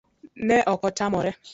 Ne okotamore